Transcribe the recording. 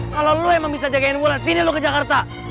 kalau lo emang bisa jagain gue sini lu ke jakarta